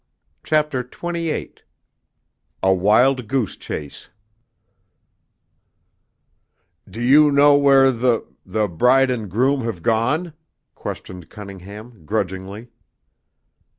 CHAPTER XXVIII A Wild Goose Chase "Do you know where the the bride and groom have gone?" questioned Cunningham, grudgingly.